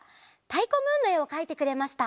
「たいこムーン」のえをかいてくれました。